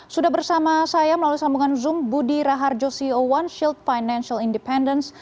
sudah bersama saya melalui sambungan zoom budi raharjo ceo one shield financial independence